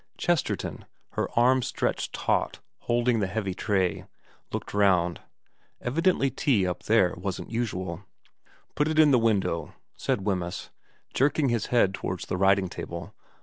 Chesterton, her arms stretched taut holding the heavy tray, looked round. Evidently tea up there wasn't usual. ' Put it in the window/ said Wemyss, jerking his head towards the writing table.